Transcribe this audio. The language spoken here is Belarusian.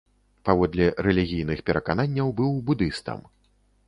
Паводле рэлігійных перакананняў быў будыстам.